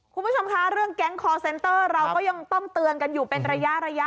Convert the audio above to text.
คุณผู้ชมคะเรื่องแก๊งคอร์เซนเตอร์เราก็ยังต้องเตือนกันอยู่เป็นระยะ